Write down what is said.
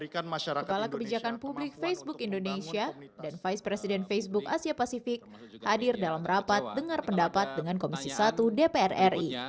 kepala kebijakan publik facebook indonesia dan vice president facebook asia pasifik hadir dalam rapat dengar pendapat dengan komisi satu dpr ri